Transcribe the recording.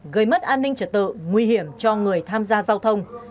gây mất an ninh trật tự nguy hiểm cho người tham gia giao thông